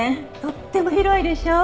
とっても広いでしょ。